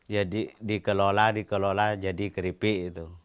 jadi dikelola dikelola jadi kripik